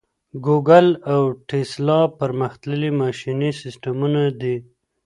ګوګل او ټیسلا پرمختللي ماشیني سیسټمونه دي.